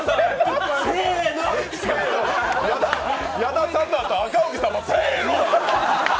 矢田さんのあと、赤荻さんもせーの！